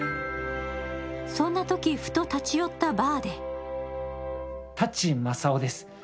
そんなとき、ふと立ち寄ったバーで舘正夫です。